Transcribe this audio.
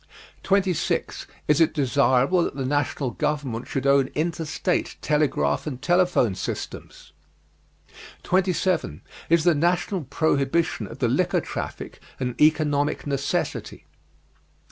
26. Is it desirable that the national government should own interstate telegraph and telephone systems? 27. Is the national prohibition of the liquor traffic an economic necessity?